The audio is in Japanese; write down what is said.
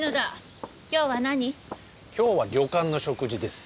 今日は旅館の食事です。